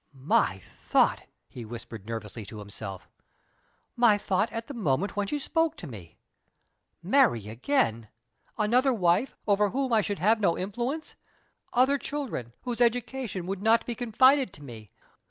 "My thought!" he whispered nervously to himself. "My thought at the moment when she spoke to me! Marry again? Another wife, over whom I should have no influence! Other children, whose education would not be confided to me!